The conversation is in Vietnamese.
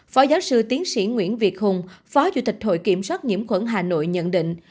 phó giáo sư tiến sĩ nguyễn việt hùng phó chủ tịch hội kiểm soát nhiễm khuẩn hà nội nhận định